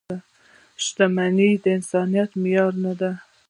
• شتمني د انسانیت معیار نه دی.